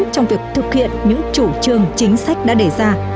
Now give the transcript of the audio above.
thực hiện những chủ trương chính sách đã đề ra